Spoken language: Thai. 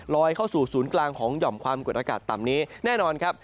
เข้าสู่ศูนย์กลางของหย่อมความกดอากาศต่ำนี้แน่นอนครับ